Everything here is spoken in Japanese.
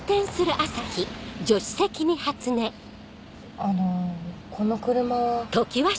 あのこの車は。